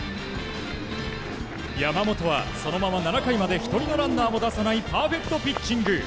山本は、そのまま７回まで１人のランナーも出さないパーフェクトピッチング。